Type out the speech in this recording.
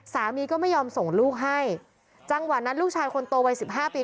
สามีก็ไม่ยอมส่งลูกให้จังหวะนั้นลูกชายคนโตวัยสิบห้าปี